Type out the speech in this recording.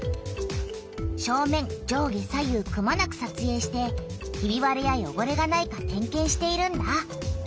正面上下左右くまなくさつえいしてひびわれやよごれがないか点けんしているんだ。